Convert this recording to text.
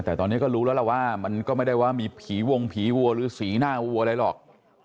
แต่ตอนนี้ก็รู้แล้วล่ะว่ามันก็ไม่ได้ว่ามีผีวงผีวัวหรือสีหน้าวัวอะไรหรอก